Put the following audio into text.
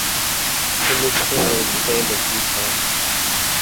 The mixture will expand a few times.